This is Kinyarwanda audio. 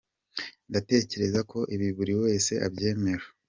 Ndatekereza ko ibi buri wese abyemera.